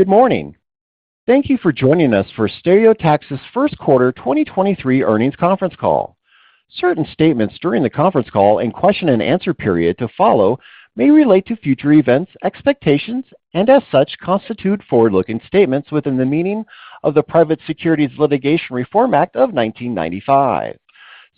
Good morning. Thank you for joining us for Stereotaxis's Q1 2023 earnings conference call. Certain statements during the conference call and question and answer period to follow may relate to future events, expectations, and as such, constitute forward-looking statements within the meaning of the Private Securities Litigation Reform Act of 1995.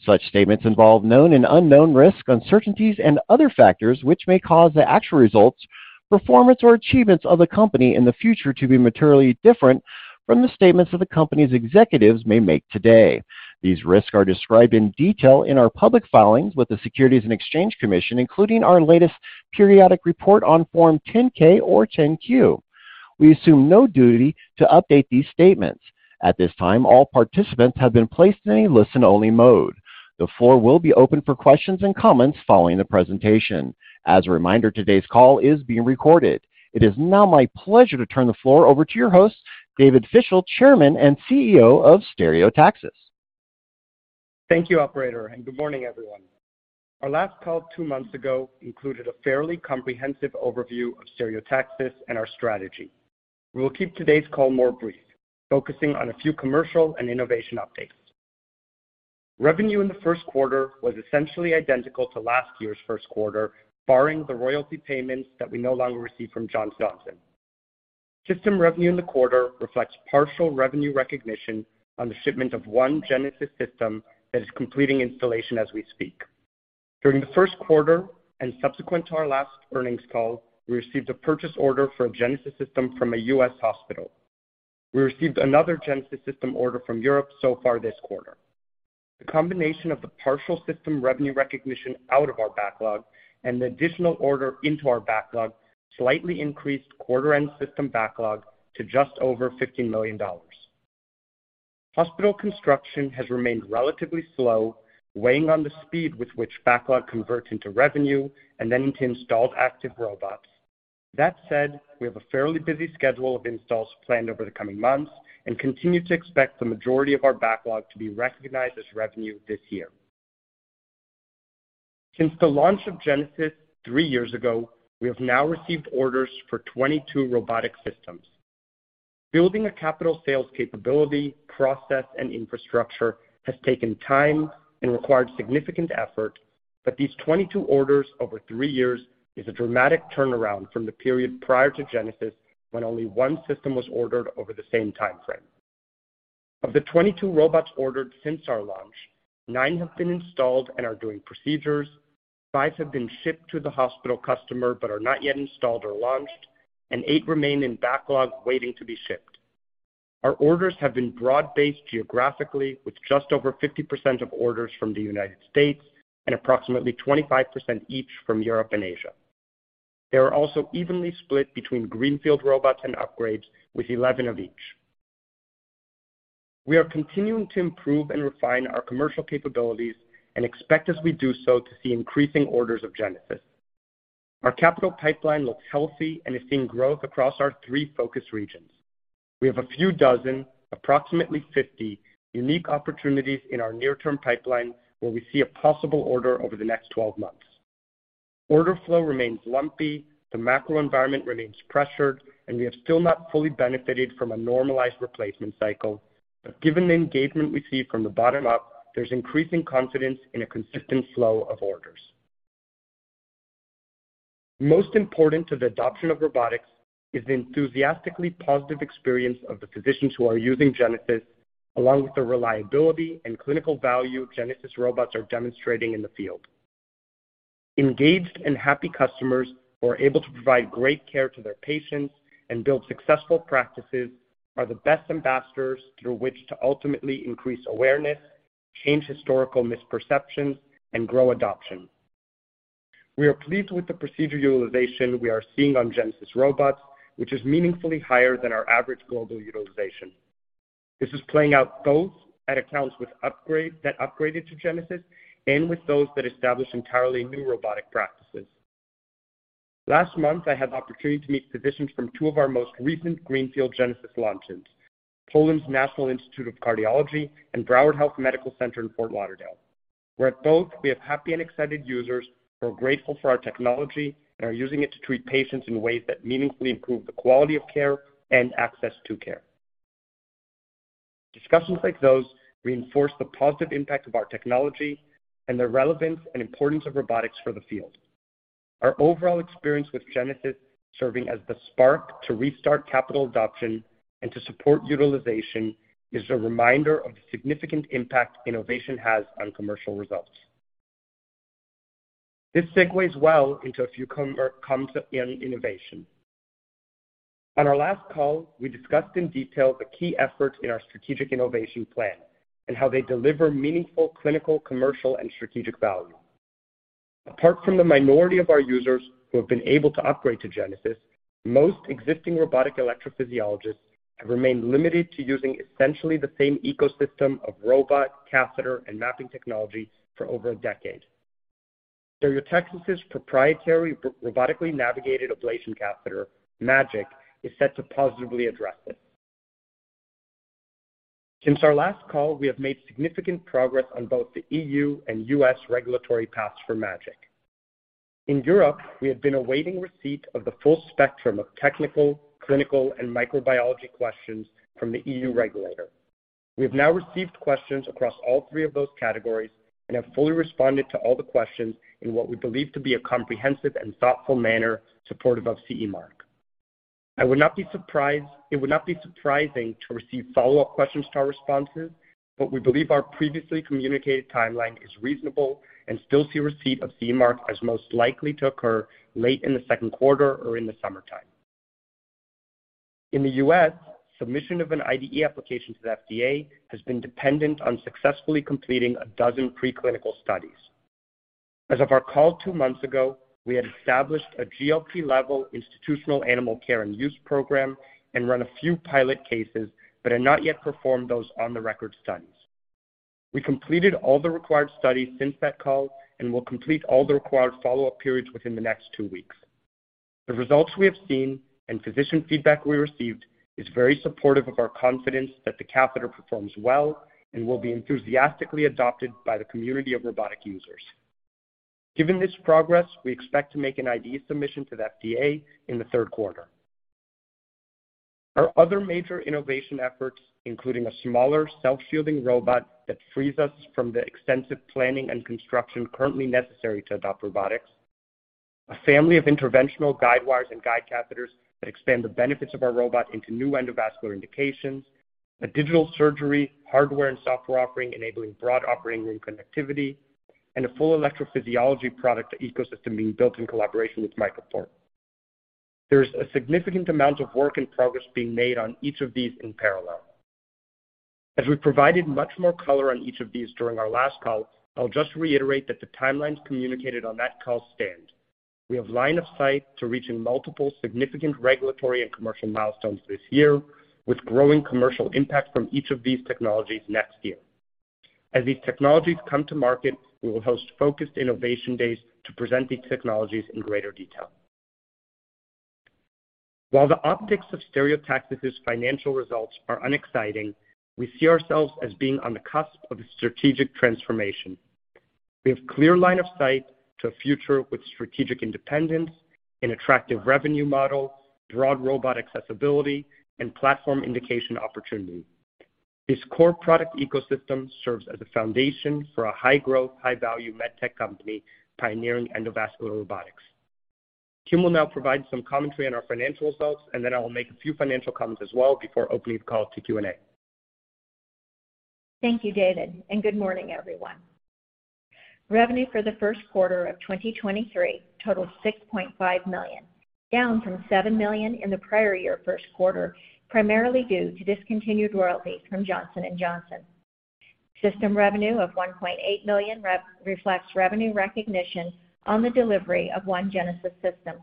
Such statements involve known and unknown risks, uncertainties, and other factors which may cause the actual results, performance, or achievements of the company in the future to be materially different from the statements that the company's executives may make today. These risks are described in detail in our public filings with the Securities and Exchange Commission, including our latest periodic report on form 10-K or 10-Q. We assume no duty to update these statements. At this time, all participants have been placed in a listen-only mode. The floor will be open for questions and comments following the presentation. As a reminder, today's call is being recorded. It is now my pleasure to turn the floor over to your host, David Fischel, Chairman and CEO of Stereotaxis. Thank you, operator, and good morning, everyone. Our last call two months ago included a fairly comprehensive overview of Stereotaxis and our strategy. We will keep today's call more brief, focusing on a few commercial and innovation updates. Revenue in the Q1 was essentially identical to last year's Q1, barring the royalty payments that we no longer receive from Johnson & Johnson. System revenue in the quarter reflects partial revenue recognition on the shipment of one Genesis system that is completing installation as we speak. During the Q1 and subsequent to our last earnings call, we received a purchase order for a Genesis system from a U.S. hospital. We received another Genesis system order from Europe so far this quarter. The combination of the partial system revenue recognition out of our backlog and the additional order into our backlog slightly increased quarter end system backlog to just over $50 million. Hospital construction has remained relatively slow, weighing on the speed with which backlog converts into revenue and then into installed active robots. That said, we have a fairly busy schedule of installs planned over the coming months and continue to expect the majority of our backlog to be recognized as revenue this year. Since the launch of Genesis three years ago, we have now received orders for 22 robotic systems. Building a capital sales capability, process, and infrastructure has taken time and required significant effort, but these 22 orders over three years is a dramatic turnaround from the period prior to Genesis when only one system was ordered over the same time frame. Of the 22 robots ordered since our launch, nine have been installed and are doing procedures, five have been shipped to the hospital customer but are not yet installed or launched, and eight remain in backlog waiting to be shipped. Our orders have been broad-based geographically, with just over 50% of orders from the United States and approximately 25% each from Europe and Asia. They are also evenly split between greenfield robots and upgrades, with 11 of each. We are continuing to improve and refine our commercial capabilities and expect as we do so to see increasing orders of Genesis. Our capital pipeline looks healthy and is seeing growth across our three focus regions. We have a few dozen, approximately 50, unique opportunities in our near-term pipeline where we see a possible order over the next 12 months. Order flow remains lumpy, the macro environment remains pressured, and we have still not fully benefited from a normalized replacement cycle. Given the engagement we see from the bottom up, there's increasing confidence in a consistent flow of orders. Most important to the adoption of robotics is the enthusiastically positive experience of the physicians who are using Genesis, along with the reliability and clinical value Genesis robots are demonstrating in the field. Engaged and happy customers who are able to provide great care to their patients and build successful practices are the best ambassadors through which to ultimately increase awareness, change historical misperceptions, and grow adoption. We are pleased with the procedure utilization we are seeing on Genesis robots, which is meaningfully higher than our average global utilization. This is playing out both at accounts that upgraded to Genesis and with those that established entirely new robotic practices. Last month, I had the opportunity to meet physicians from two of our most recent greenfield Genesis launches, Poland's National Institute of Cardiology and Broward Health Medical Center in Fort Lauderdale, where at both we have happy and excited users who are grateful for our technology and are using it to treat patients in ways that meaningfully improve the quality of care and access to care. Discussions like those reinforce the positive impact of our technology and the relevance and importance of robotics for the field. Our overall experience with Genesis serving as the spark to restart capital adoption and to support utilization is a reminder of the significant impact innovation has on commercial results. This segues well into a few in innovation. On our last call, we discussed in detail the key efforts in our strategic innovation plan and how they deliver meaningful clinical, commercial, and strategic value. Apart from the minority of our users who have been able to upgrade to Genesis, most existing robotic electrophysiologists have remained limited to using essentially the same ecosystem of robot, catheter, and mapping technology for over a decade. Stereotaxis' proprietary robotically navigated ablation catheter, MAGiC, is set to positively address this. Since our last call, we have made significant progress on both the EU and US regulatory paths for MAGiC. In Europe, we have been awaiting receipt of the full spectrum of technical, clinical, and microbiology questions from the EU regulator. We have now received questions across all three of those categories and have fully responded to all the questions in what we believe to be a comprehensive and thoughtful manner supportive of CE mark. It would not be surprising to receive follow-up questions to our responses, but we believe our previously communicated timeline is reasonable and still see receipt of CE mark as most likely to occur late in the Q2 or in the summertime. In the U.S., submission of an IDE application to the FDA has been dependent on successfully completing 12 preclinical studies. As of our call two months ago, we had established a GLP-level institutional animal care and use program and run a few pilot cases, but had not yet performed those on the record studies. We completed all the required studies since that call and will complete all the required follow-up periods within the next two weeks. The results we have seen and physician feedback we received is very supportive of our confidence that the catheter performs well and will be enthusiastically adopted by the community of robotic users. Given this progress, we expect to make an IDE submission to the FDA in the Q3. Our other major innovation efforts, including a smaller self-shielding robot that frees us from the extensive planning and construction currently necessary to adopt robotics. A family of interventional guide wires and guide catheters that expand the benefits of our robot into new endovascular indications. A digital surgery, hardware, and software offering enabling broad operating room connectivity. And a full electrophysiology product ecosystem being built in collaboration with MicroPort. There's a significant amount of work and progress being made on each of these in parallel. As we provided much more color on each of these during our last call, I'll just reiterate that the timelines communicated on that call stand. We have line of sight to reaching multiple significant regulatory and commercial milestones this year, with growing commercial impact from each of these technologies next year. As these technologies come to market, we will host focused innovation days to present these technologies in greater detail. While the optics of Stereotaxis' financial results are unexciting, we see ourselves as being on the cusp of a strategic transformation. We have clear line of sight to a future with strategic independence, an attractive revenue model, broad robot accessibility, and platform indication opportunity. This core product ecosystem serves as a foundation for a high-growth, high-value med tech company pioneering endovascular robotics. Kim will now provide some commentary on our financial results. I will make a few financial comments as well before opening the call to Q&A. Thank you, David. Good morning, everyone. Revenue for the Q1 of 2023 totaled $6.5 million, down from $7 million in the prior year Q1, primarily due to discontinued royalties from Johnson & Johnson. System revenue of $1.8 million reflects revenue recognition on the delivery of one Genesis system.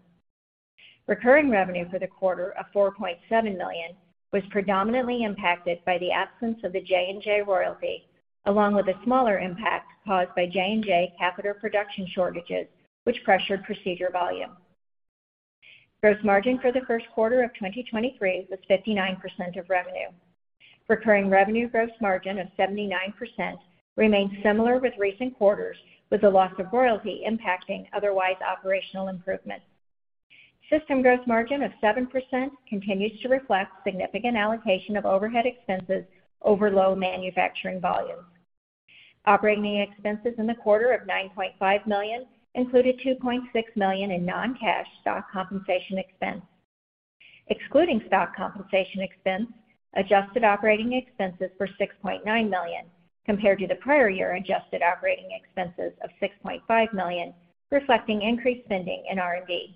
Recurring revenue for the quarter of $4.7 million was predominantly impacted by the absence of the J&J royalty, along with a smaller impact caused by J&J catheter production shortages, which pressured procedure volume. Gross margin for the Q1 of 2023 was 59% of revenue. Recurring revenue gross margin of 79% remains similar with recent quarters, with the loss of royalty impacting otherwise operational improvements. System gross margin of 7% continues to reflect significant allocation of overhead expenses over low manufacturing volumes. Operating expenses in the quarter of $9.5 million included $2.6 million in non-cash stock compensation expense. Excluding stock compensation expense, adjusted operating expenses were $6.9 million, compared to the prior year adjusted operating expenses of $6.5 million, reflecting increased spending in R&D.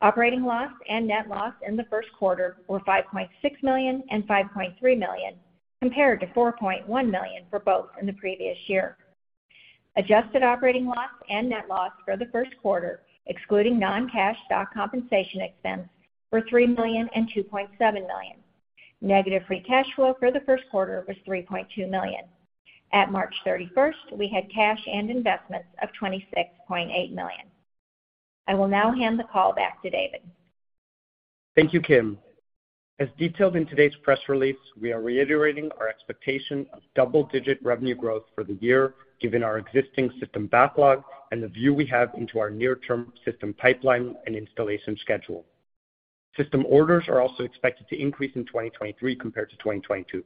Operating loss and net loss in the Q1 were $5.6 million and $5.3 million, compared to $4.1 million for both in the previous year. Adjusted operating loss and net loss for the Q1, excluding non-cash stock compensation expense, were $3 million and $2.7 million. Negative free cash flow for the Q1 was $3.2 million. At March 31st, we had cash and investments of $26.8 million. I will now hand the call back to David. Thank you, Kim. As detailed in today's press release, we are reiterating our expectation of double-digit revenue growth for the year, given our existing system backlog and the view we have into our near-term system pipeline and installation schedule. System orders are also expected to increase in 2023 compared to 2022.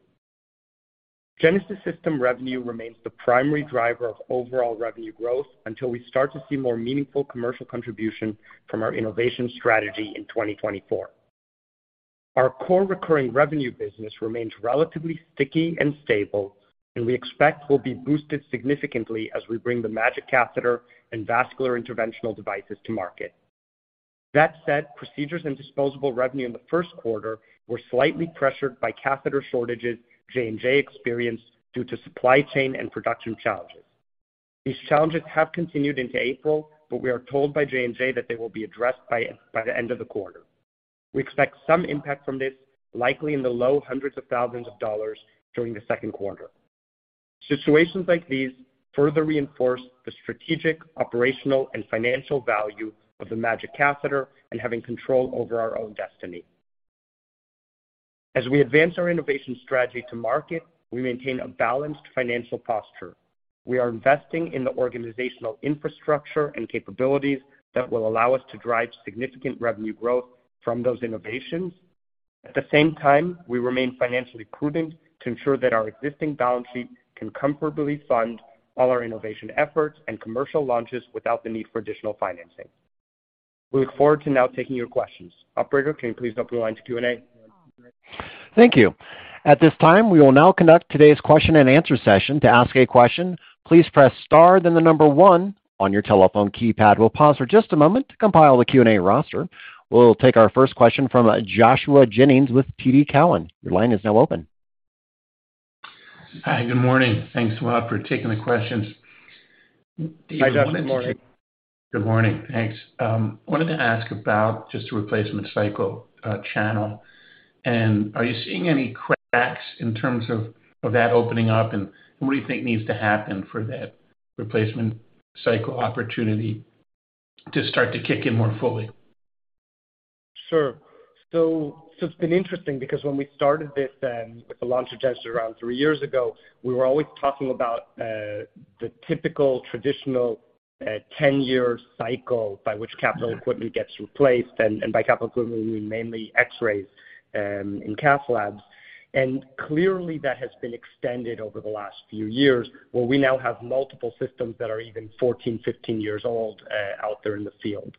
Genesis system revenue remains the primary driver of overall revenue growth until we start to see more meaningful commercial contribution from our innovation strategy in 2024. Our core recurring revenue business remains relatively sticky and stable, and we expect will be boosted significantly as we bring the MAGiC catheter and vascular interventional devices to market. That said, procedures and disposable revenue in the Q1 were slightly pressured by catheter shortages J&J experienced due to supply chain and production challenges. These challenges have continued into April. We are told by J&J that they will be addressed by the end of the quarter. We expect some impact from this, likely in the low hundreds of thousands of dollars during the Q2. Situations like these further reinforce the strategic, operational, and financial value of the MAGiC catheter and having control over our own destiny. As we advance our innovation strategy to market, we maintain a balanced financial posture. We are investing in the organizational infrastructure and capabilities that will allow us to drive significant revenue growth from those innovations. At the same time, we remain financially prudent to ensure that our existing balance sheet can comfortably fund all our innovation efforts and commercial launches without the need for additional financing. We look forward to now taking your questions. Operator, can you please open the line to Q&A? Thank you. At this time, we will now conduct today's question and answer session. To ask a question, please press star then the number 1 on your telephone keypad. We'll pause for just a moment to compile the Q&A roster. We'll take our first question from Joshua Jennings with TD Cowen. Your line is now open. Hi. Good morning. Thanks a lot for taking the questions. Hi, Josh. Good morning. Good morning. Thanks. wanted to ask about just the replacement cycle, channel. Are you seeing any cracks in terms of that opening up, and what do you think needs to happen for that replacement cycle opportunity to start to kick in more fully? Sure. It's been interesting because when we started this then with the launch of Genesis around 3 years ago, we were always talking about the typical traditional 10-year cycle by which capital equipment gets replaced, and by capital equipment, we mean mainly X-rays in cath labs. Clearly that has been extended over the last few years, where we now have multiple systems that are even 14, 15 years old out there in the field.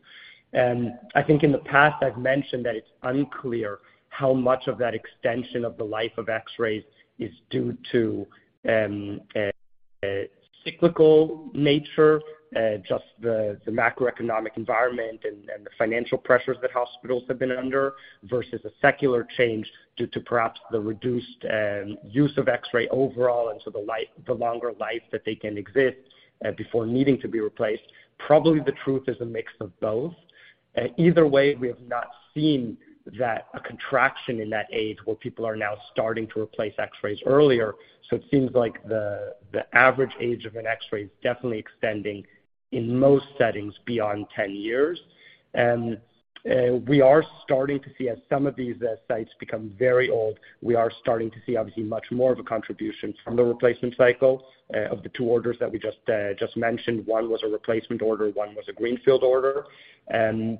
I think in the past I've mentioned that it's unclear how much of that extension of the life of X-rays is due to cyclical nature, just the macroeconomic environment and the financial pressures that hospitals have been under versus a secular change due to perhaps the reduced use of X-ray overall and so the longer life that they can exist before needing to be replaced. Probably the truth is a mix of both. Either way, we have not seen that contraction in that age where people are now starting to replace X-rays earlier. It seems like the average age of an X-ray is definitely extending in most settings beyond 10 years. We are starting to see as some of these sites become very old, we are starting to see obviously much more of a contribution from the replacement cycle. Of the two orders that we just mentioned, one was a replacement order, one was a greenfield order. I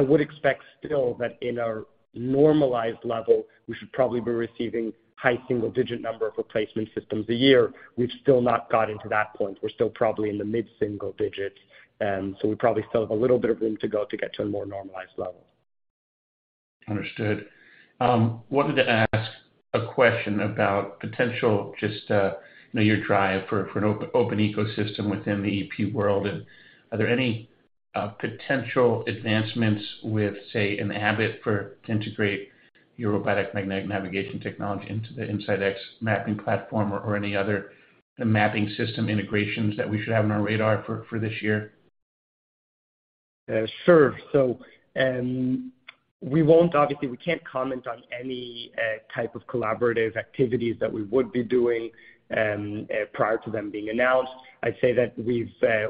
would expect still that in our normalized level, we should probably be receiving high single-digit number of replacement systems a year. We've still not gotten to that point. We're still probably in the mid-single-digits. We probably still have a little bit of room to go to get to a more normalized level. Understood. wanted to ask a question about potential just, you know, your drive for an open ecosystem within the EP world. Are there any potential advancements with, say, an Abbott to integrate your robotic magnetic navigation technology into the InsideX mapping platform or any other mapping system integrations that we should have on our radar for this year? Sure. We can't comment on any type of collaborative activities that we would be doing prior to them being announced. I'd say that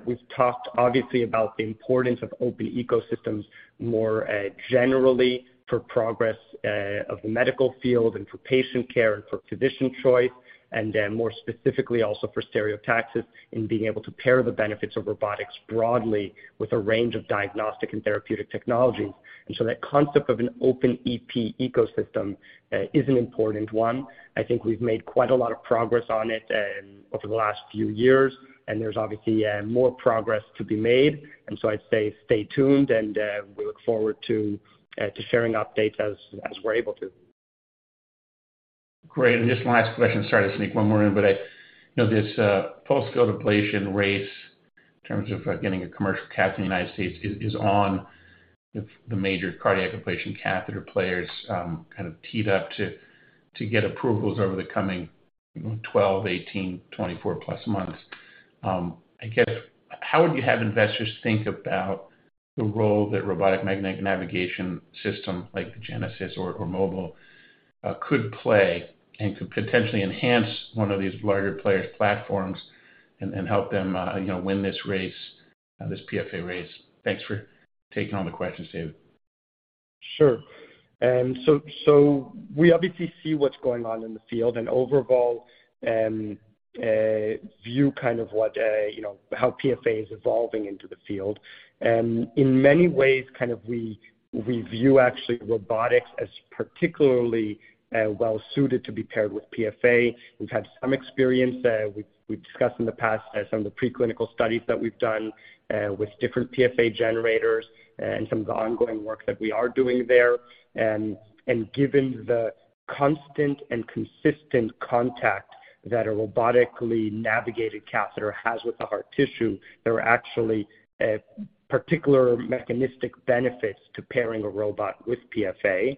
we've talked obviously about the importance of open ecosystems more generally for progress of the medical field and for patient care and for physician choice, and then more specifically also for Stereotaxis in being able to pair the benefits of robotics broadly with a range of diagnostic and therapeutic technologies. That concept of an open EP ecosystem is an important one. I think we've made quite a lot of progress on it over the last few years, and there's obviously more progress to be made. I'd say stay tuned, and we look forward to sharing updates as we're able to. Great. Just one last question. Sorry to sneak one more in, but You know, this pulsed field ablation race in terms of getting a commercial cath in the United States is on the major cardiac ablation catheter players, kind of teed up to get approvals over the coming, you know, 12, 18, 24 plus months. I guess how would you have investors think about the role that robotic magnetic navigation system like Genesis or GenesisX could play and could potentially enhance one of these larger players' platforms and help them, you know, win this race, this PFA race? Thanks for taking all the questions, David. Sure. We obviously see what's going on in the field and overall, view kind of what, you know, how PFA is evolving into the field. In many ways, kind of we view actually robotics as particularly well suited to be paired with PFA. We've had some experience, we've discussed in the past, some of the preclinical studies that we've done, with different PFA generators and some of the ongoing work that we are doing there. Given the constant and consistent contact that a robotically navigated catheter has with the heart tissue, there are actually particular mechanistic benefits to pairing a robot with PFA.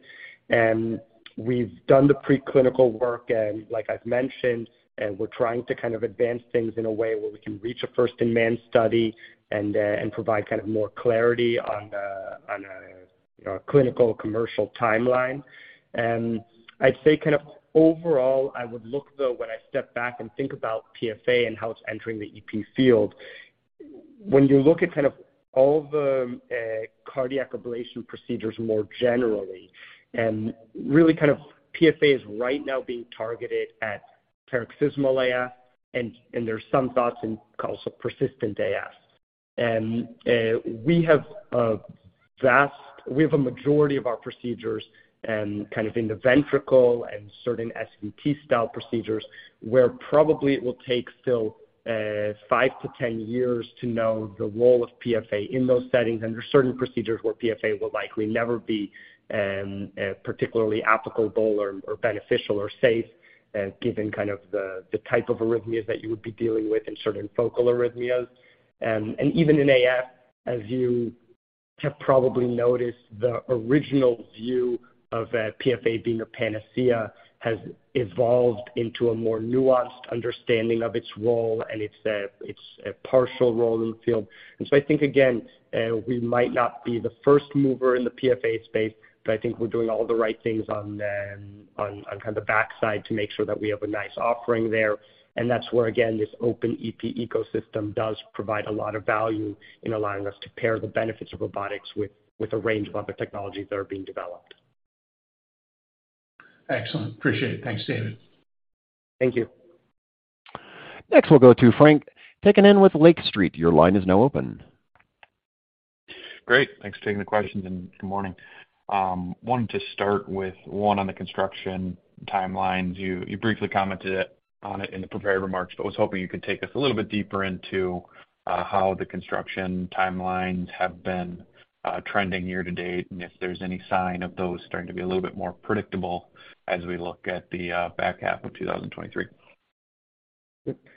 We've done the preclinical work and like I've mentioned, we're trying to kind of advance things in a way where we can reach a first-in-man study and provide kind of more clarity on the clinical commercial timeline. I'd say kind of overall, I would look though, when I step back and think about PFA and how it's entering the EP field. When you look at kind of all the cardiac ablation procedures more generally, and really kind of PFA is right now being targeted at paroxysmal AF. There's some thoughts in also persistent AF. We have a majority of our procedures kind of in the ventricle and certain SVT style procedures where probably it will take still 5-10 years to know the role of PFA in those settings. There are certain procedures where PFA will likely never be particularly applicable or beneficial or safe given kind of the type of arrhythmias that you would be dealing with in certain focal arrhythmias. Even in AF, as you have probably noticed, the original view of PFA being a panacea has evolved into a more nuanced understanding of its role and its partial role in the field. I think, again, we might not be the first mover in the PFA space, but I think we're doing all the right things on kind of the backside to make sure that we have a nice offering there. That's where, again, this open EP ecosystem does provide a lot of value in allowing us to pair the benefits of robotics with a range of other technologies that are being developed. Excellent. Appreciate it. Thanks, David. Thank you. Next, we'll go to Frank Takkinen in with Lake Street. Your line is now open. Great. Thanks for taking the questions. Good morning. Wanted to start with one on the construction timelines. You briefly commented on it in the prepared remarks, was hoping you could take us a little bit deeper into how the construction timelines have been trending year to date and if there's any sign of those starting to be a little bit more predictable as we look at the back half of 2023.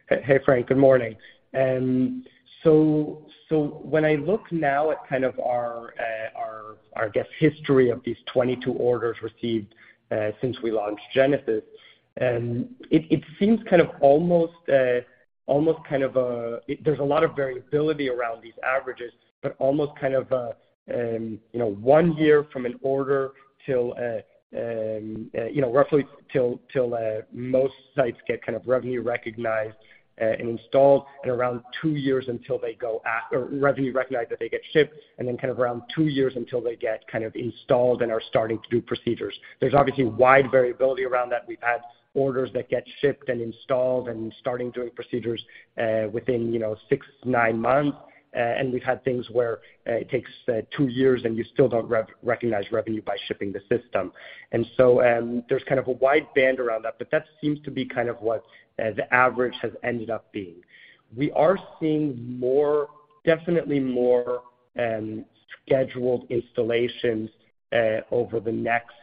Hey, Frank. Good morning. When I look now at kind of our guest history of these 22 orders received, since we launched Genesis, it seems kind of almost kind of a. There's a lot of variability around these averages, but almost kind of a, you know, 1 year from an order till, you know, roughly till most sites get kind of revenue recognized and installed and around 2 years until they go or revenue recognized that they get shipped and then kind of around 2 years until they get kind of installed and are starting to do procedures. There's obviously wide variability around that. We've had orders that get shipped and installed and starting doing procedures, within, you know, 6, 9 months. We've had things where it takes two years, and you still don't recognize revenue by shipping the system. There's kind of a wide band around that, but that seems to be kind of what the average has ended up being. We are seeing more, definitely more, scheduled installations over the next,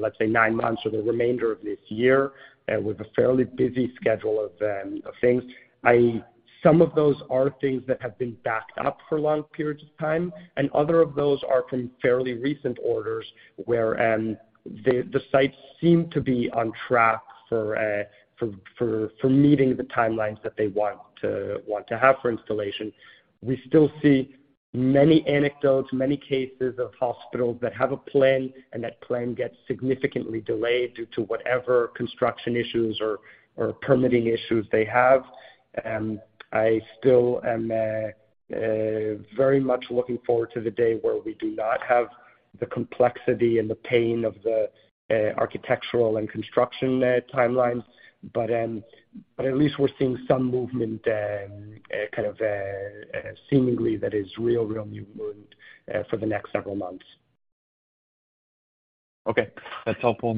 let's say nine months or the remainder of this year, with a fairly busy schedule of things. Some of those are things that have been backed up for long periods of time, and other of those are from fairly recent orders where the sites seem to be on track for meeting the timelines that they want to have for installation. We still see many anecdotes, many cases of hospitals that have a plan, and that plan gets significantly delayed due to whatever construction issues or permitting issues they have. I still am very much looking forward to the day where we do not have the complexity and the pain of the architectural and construction timelines. At least we're seeing some movement, kind of, seemingly that is real movement for the next several months. Okay. That's helpful.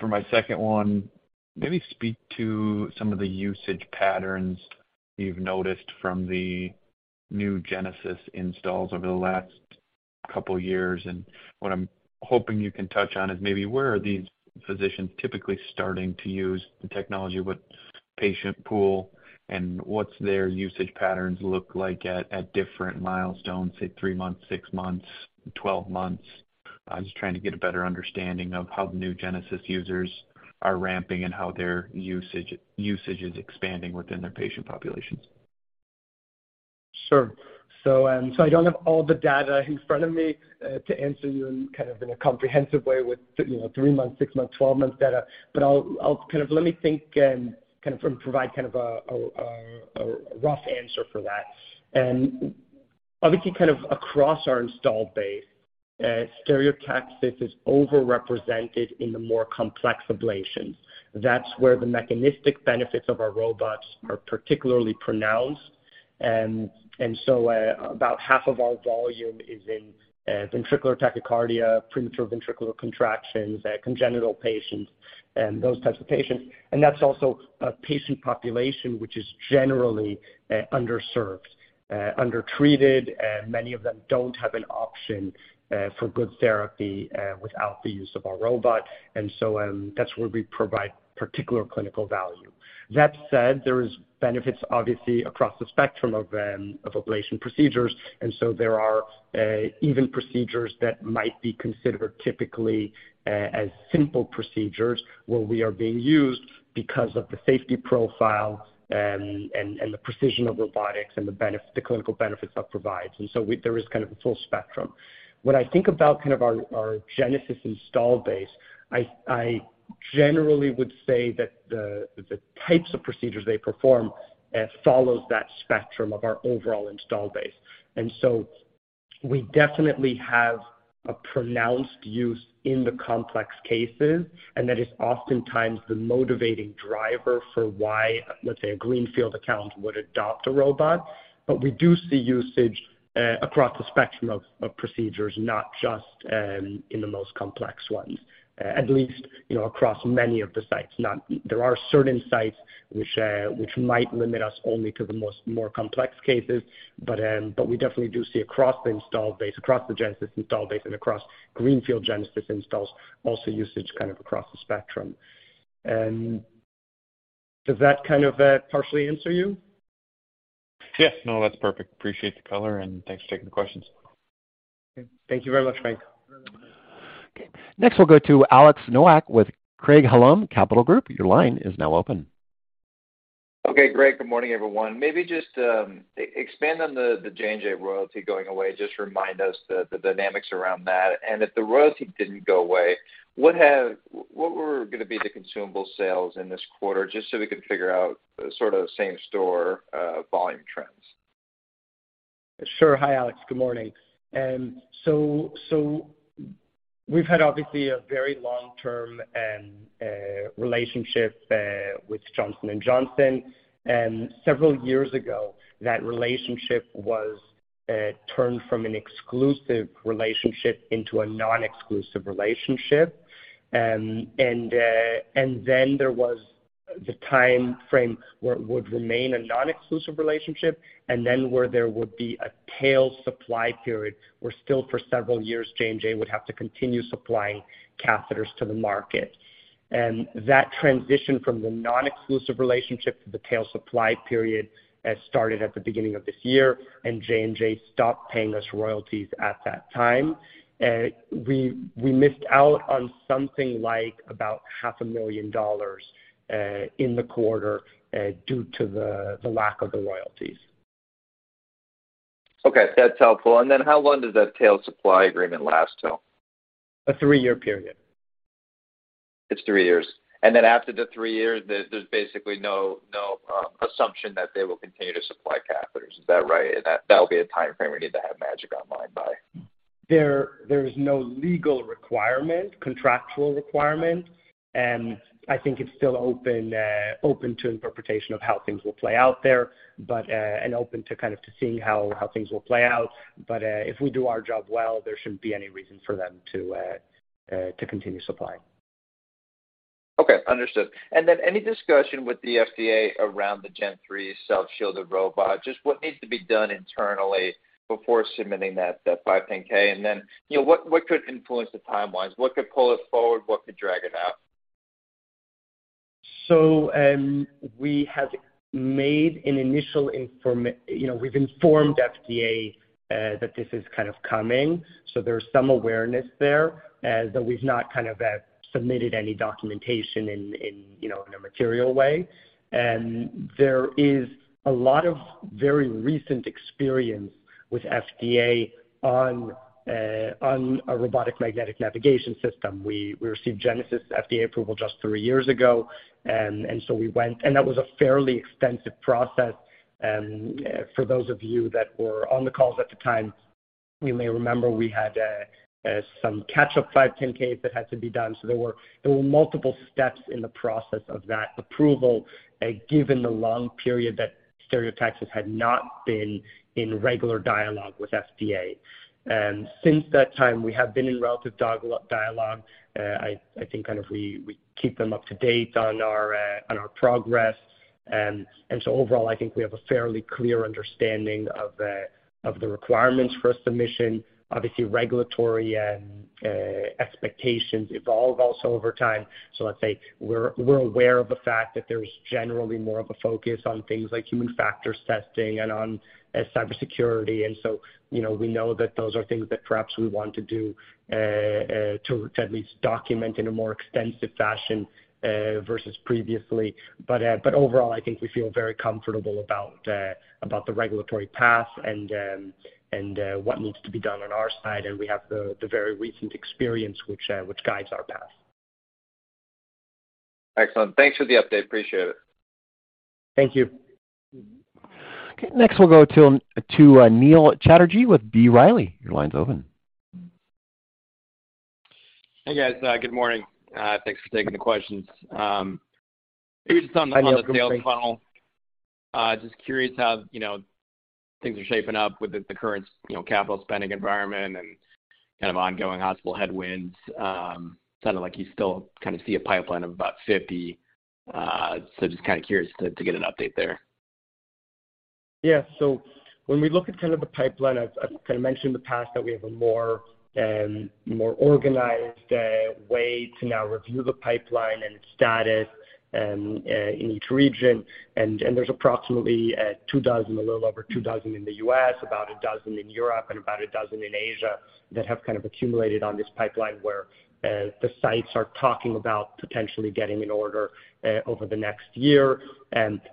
For my second one, maybe speak to some of the usage patterns you've noticed from the new Genesis installs over the last couple years. What I'm hoping you can touch on is maybe where are these physicians typically starting to use the technology, what patient pool, and what's their usage patterns look like at different milestones, say 3 months, 6 months, 12 months? I'm just trying to get a better understanding of how the new Genesis users are ramping and how their usage is expanding within their patient populations. Sure. I don't have all the data in front of me to answer you in kind of in a comprehensive way with you know, three months, six months, 12 months data, but I'll Kind of let me think and kind of provide a rough answer for that. Obviously kind of across our installed base, Stereotaxis is overrepresented in the more complex ablations. That's where the mechanistic benefits of our robots are particularly pronounced. About half of our volume is in ventricular tachycardia, premature ventricular contractions, congenital patients, and those types of patients. That's also a patient population which is generally underserved, undertreated, many of them don't have an option for good therapy without the use of our robot. That's where we provide particular clinical value. That said, there is benefits obviously across the spectrum of ablation procedures, and so there are even procedures that might be considered typically as simple procedures where we are being used because of the safety profile, and the precision of robotics and the clinical benefits that provides. There is kind of a full spectrum. When I think about kind of our Genesis install base, I generally would say that the types of procedures they perform follows that spectrum of our overall install base. We definitely have a pronounced use in the complex cases, and that is oftentimes the motivating driver for why, let's say, a greenfield account would adopt a robot. We do see usage across the spectrum of procedures, not just in the most complex ones, at least, you know, across many of the sites. There are certain sites which might limit us only to the most more complex cases, we definitely do see across the install base, across the Genesis install base and across greenfield Genesis installs also usage kind of across the spectrum. Does that kind of partially answer you? Yes. No, that's perfect. Appreciate the color, and thanks for taking the questions. Thank you very much, Mike. Okay. Next, we'll go to Alex Nowak with Craig-Hallum Capital Group. Your line is now open. Okay, great. Good morning, everyone. Maybe just expand on the J&J royalty going away. Just remind us the dynamics around that. If the royalty didn't go away, what were gonna be the consumable sales in this quarter, just so we can figure out sort of same store volume trends? Sure. Hi, Alex. Good morning. We've had obviously a very long-term relationship with Johnson & Johnson. Several years ago, that relationship was turned from an exclusive relationship into a non-exclusive relationship. There was the timeframe where it would remain a non-exclusive relationship, and then where there would be a tail supply period, where still for several years, J&J would have to continue supplying catheters to the market. That transition from the non-exclusive relationship to the tail supply period started at the beginning of this year, and J&J stopped paying us royalties at that time. We missed out on something like about half a million dollars in the quarter due to the lack of the royalties. Okay, that's helpful. Then how long does that tail supply agreement last till? A three-year period. It's three years. After the three years, there's basically no assumption that they will continue to supply catheters. Is that right? That, that'll be a timeframe we need to have MAGiC Online by. There is no legal requirement, contractual requirement, and I think it's still open to interpretation of how things will play out there, and open to kind of to seeing how things will play out. If we do our job well, there shouldn't be any reason for them to continue supplying. Okay. Understood. Any discussion with the FDA around the GenesisX? Just what needs to be done internally before submitting that 510(k)? You know, what could influence the timelines? What could pull it forward? What could drag it out? We have made an initial you know, we've informed FDA that this is kind of coming, so there's some awareness there, though we've not kind of submitted any documentation in you know, in a material way. There is a lot of very recent experience with FDA on a robotic magnetic navigation system. We received Genesis FDA approval just three years ago. That was a fairly extensive process. For those of you that were on the calls at the time, you may remember we had some catch-up 510s that had to be done. There were multiple steps in the process of that approval, given the long period that Stereotaxis had not been in regular dialogue with FDA. Since that time, we have been in relative dialogue. I think kind of we keep them up to date on our progress. Overall, I think we have a fairly clear understanding of the requirements for submission. Obviously, regulatory and expectations evolve also over time. Let's say we're aware of the fact that there's generally more of a focus on things like human factors testing and on cybersecurity. You know, we know that those are things that perhaps we want to do to at least document in a more extensive fashion versus previously. Overall, I think we feel very comfortable about the regulatory path and what needs to be done on our side, and we have the very recent experience which guides our path. Excellent. Thanks for the update. Appreciate it. Thank you. Okay. Next, we'll go to Neil Chatterji with B. Riley. Your line's open. Hey, guys. good morning. thanks for taking the questions. maybe just on the- Hi, Neil. Good morning. -on the sales funnel. Just curious how, you know, things are shaping up with the current, you know, capital spending environment and kind of ongoing hospital headwinds. Sounded like you still kind of see a pipeline of about 50. Just kinda curious to get an update there. Yeah. When we look at kind of the pipeline, I've kinda mentioned in the past that we have a more organized way to now review the pipeline and its status in each region. There's approximately two dozen, a little over two dozen in the U.S., about dozen in Europe and about a dozen in Asia that have kind of accumulated on this pipeline where the sites are talking about potentially getting an order over the next year.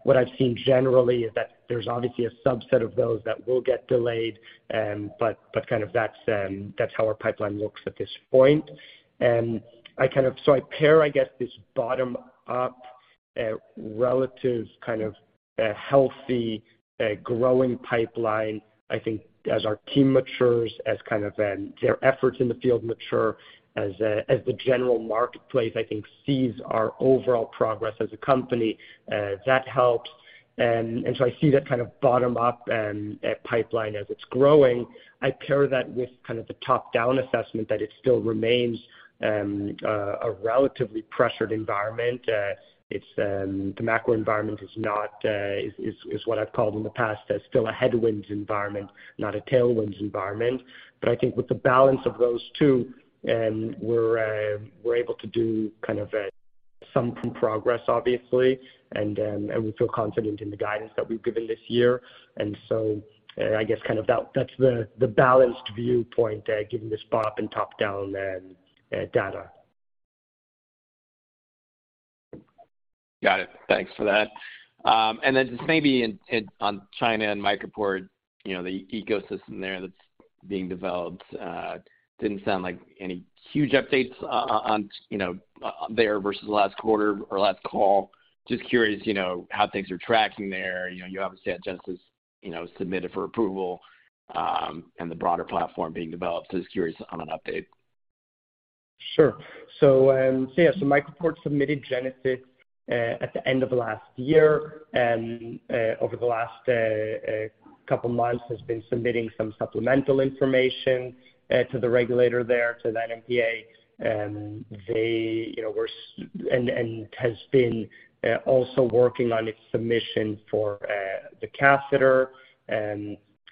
What I've seen generally is that there's obviously a subset of those that will get delayed. Kind of that's that's how our pipeline looks at this point. I pair, I guess, this bottom up, relative kind of, healthy, growing pipeline, I think, as our team matures, as kind of, their efforts in the field mature, as the general marketplace, I think, sees our overall progress as a company, that helps. I see that kind of bottom up pipeline as it's growing. I pair that with kind of the top-down assessment that it still remains a relatively pressured environment. The macro environment is not what I've called in the past as still a headwind environment, not a tailwind environment. I think with the balance of those two, we're able to do kind of some progress obviously, and we feel confident in the guidance that we've given this year. I guess kind of that's the balanced viewpoint, given this bottom up and top down, data. Got it. Thanks for that. Then just maybe in, on China and MicroPort, you know, the ecosystem there that's being developed, didn't sound like any huge updates on, you know, there versus last quarter or last call. Just curious, you know, how things are tracking there. You know, you obviously had Genesis, you know, submitted for approval, and the broader platform being developed. Just curious on an update. Sure. MicroPort submitted Genesis at the end of last year, and over the last two months has been submitting some supplemental information to the regulator there, to the NMPA. They, you know, and has been also working on its submission for the catheter.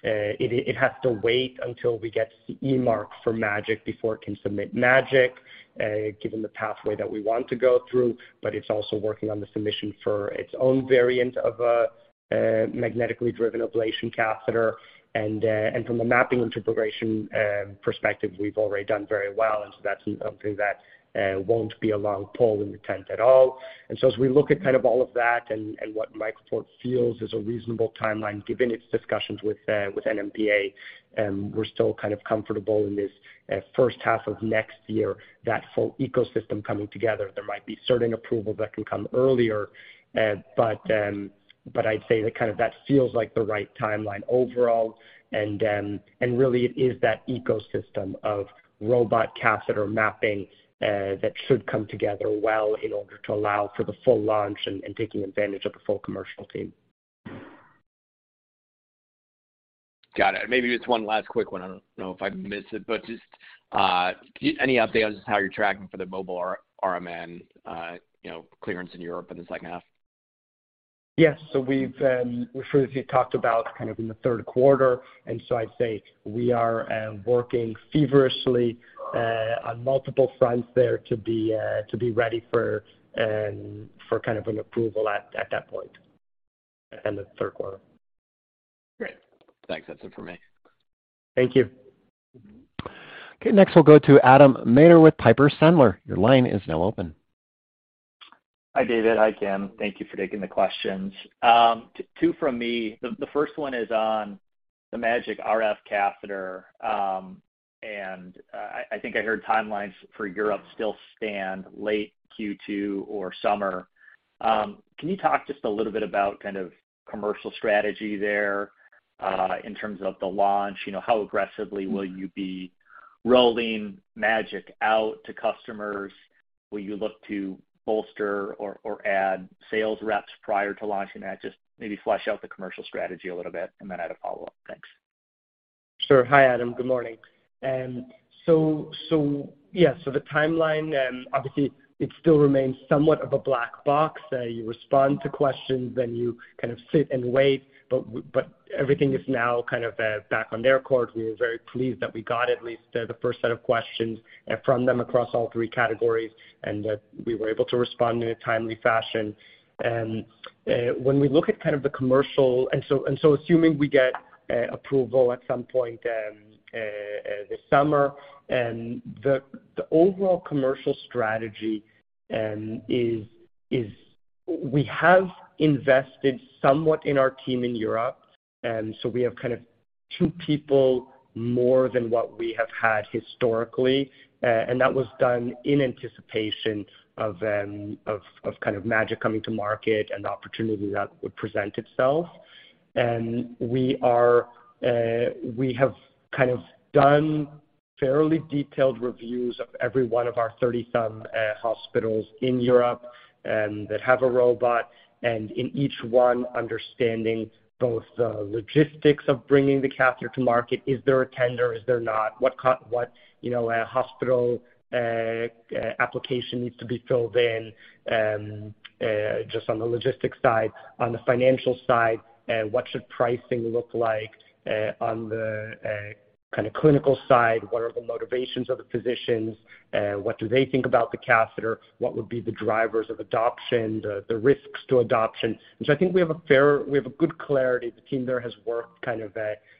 It has to wait until we get CE mark for MAGiC before it can submit MAGiC, given the pathway that we want to go through. But it's also working on the submission for its own variant of magnetically driven ablation catheter. And from a mapping integration perspective, we've already done very well. And so that's something that won't be a long pull in the tent at all. As we look at kind of all of that and what MicroPort feels is a reasonable timeline given its discussions with NMPA, we're still kind of comfortable in this H1 of next year, that full ecosystem coming together. There might be certain approval that can come earlier. But I'd say that kind of that feels like the right timeline overall. Really it is that ecosystem of robot catheter mapping that should come together well in order to allow for the full launch and taking advantage of the full commercial team. Got it. Maybe just one last quick one. I don't know if I missed it, but just, any updates on how you're tracking for the mobile RMN, you know, clearance in Europe in the second half? Yes. We've referred to, talked about kind of in the Q3, and so I'd say we are working feverishly on multiple fronts there to be to be ready for for kind of an approval at that point in the Q3. Great. Thanks. That's it for me. Thank you. Okay, next we'll go to Adam Maeder with Piper Sandler. Your line is now open. Hi, David. Hi, Kim. Thank you for taking the questions. Two from me. The first one is on the MAGiC RF catheter. I think I heard timelines for Europe still stand late Q2 or summer. Can you talk just a little bit about kind of commercial strategy there in terms of the launch? You know, how aggressively will you be rolling MAGiC out to customers? Will you look to bolster or add sales reps prior to launching that? Just maybe flesh out the commercial strategy a little bit, and then I'd a follow-up. Thanks. Sure. Hi, Adam. Good morning. Yeah. The timeline, obviously it still remains somewhat of a black box. You respond to questions, then you kind of sit and wait, but everything is now kind of back on their court. We are very pleased that we got at least the first set of questions from them across all three categories and that we were able to respond in a timely fashion. When we look at kind of the commercial... Assuming we get approval at some point this summer, the overall commercial strategy is we have invested somewhat in our team in Europe, we have kind of two people more than what we have had historically. That was done in anticipation of kind of MAGiC coming to market and the opportunity that would present itself. We are, we have kind of done fairly detailed reviews of every one of our 30-some hospitals in Europe that have a robot. In each one, understanding both the logistics of bringing the catheter to market. Is there a tender? Is there not? What, you know, a hospital application needs to be filled in just on the logistics side. On the financial side, what should pricing look like? On the kind of clinical side, what are the motivations of the physicians? What do they think about the catheter? What would be the drivers of adoption, the risks to adoption? Which I think we have a fair. We have a good clarity. The team there has worked kind of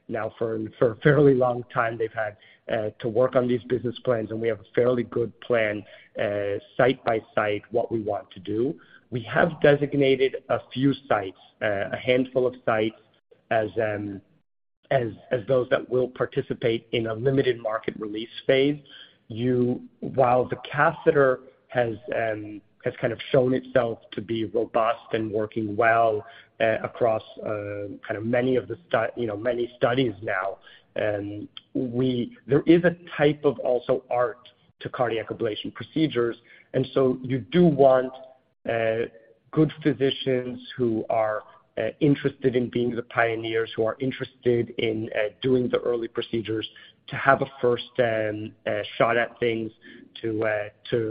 now for a fairly long time. They've had to work on these business plans. We have a fairly good plan site by site what we want to do. We have designated a few sites, a handful of sites as those that will participate in a limited market release phase. While the catheter has kind of shown itself to be robust and working well across kind of many of the you know, many studies now, there is a type of also art to cardiac ablation procedures. You do want good physicians who are interested in being the pioneers, who are interested in doing the early procedures to have a first shot at things to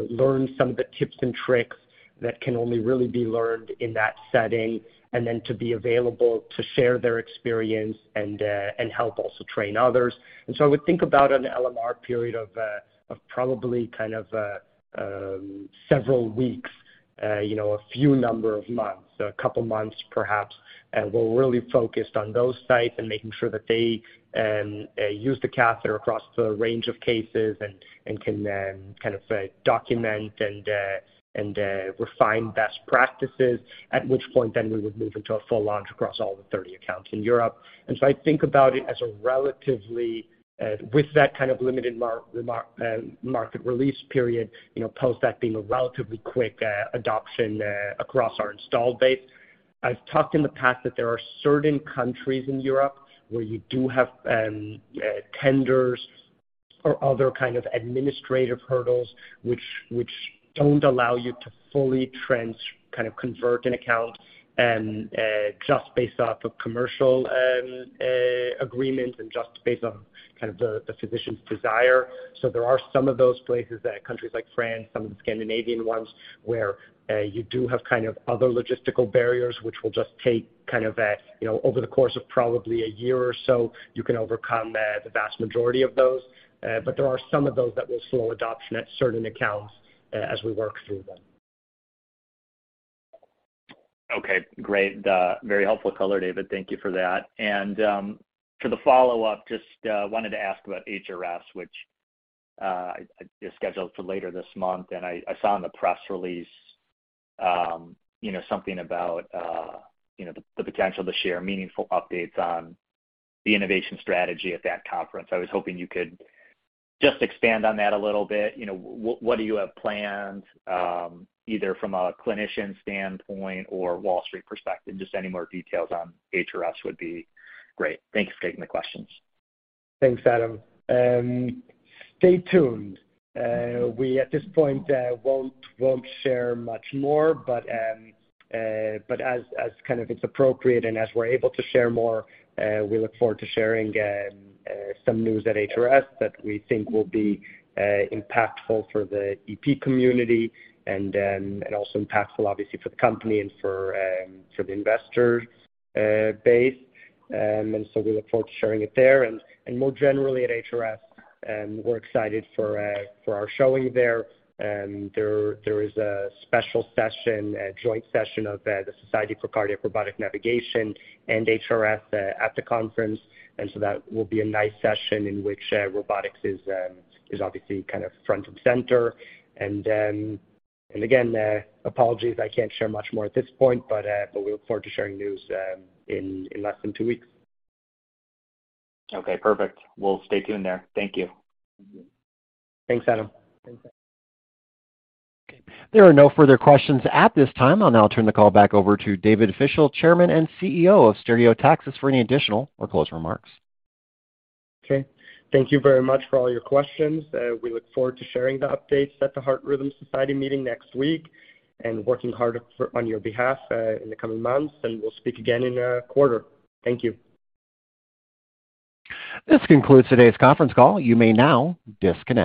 learn some of the tips and tricks that can only really be learned in that setting, and then to be available to share their experience and help also train others. I would think about an LMR period of probably kind of several weeks, you know, a few number of months, a couple months perhaps. We're really focused on those sites and making sure that they use the catheter across a range of cases and can kind of document and refine best practices, at which point then we would move into a full launch across all the 30 accounts in Europe. I think about it as a relatively with that kind of limited market release period, you know, post that being a relatively quick adoption across our installed base. I've talked in the past that there are certain countries in Europe where you do have tenders or other kind of administrative hurdles which don't allow you to fully kind of convert an account just based off of commercial agreements and just based on kind of the physician's desire. There are some of those places, countries like France, some of the Scandinavian ones, where you do have kind of other logistical barriers, which will just take kind of a, you know, over the course of probably a year or so, you can overcome the vast majority of those. There are some of those that will slow adoption at certain accounts as we work through them. Okay, great. Very helpful color, David. Thank you for that. For the follow-up, just wanted to ask about HRS, which is scheduled for later this month. I saw in the press release, you know, something about, you know, the potential to share meaningful updates on the innovation strategy at that conference. I was hoping you could just expand on that a little bit. You know, what do you have planned, either from a clinician standpoint or Wall Street perspective? Just any more details on HRS would be great. Thanks for taking the questions. Thanks, Adam. Stay tuned. We at this point won't share much more, but as kind of it's appropriate and as we're able to share more, we look forward to sharing some news at HRS that we think will be impactful for the EP community and also impactful obviously for the company and for the investor base. We look forward to sharing it there. More generally at HRS, we're excited for our showing there. There is a special session, a joint session of the Society for Cardiac Robotic Navigation and HRS at the conference. That will be a nice session in which robotics is obviously kind of front and center. Again, apologies I can't share much more at this point, but we look forward to sharing news, in less than two weeks. Okay, perfect. We'll stay tuned there. Thank you. Thanks, Adam. There are no further questions at this time. I'll now turn the call back over to David Fischel, Chairman and CEO of Stereotaxis, for any additional or close remarks. Okay. Thank you very much for all your questions. We look forward to sharing the updates at the Heart Rhythm Society meeting next week and working hard for, on your behalf, in the coming months. We'll speak again in a quarter. Thank you. This concludes today's conference call. You may now disconnect.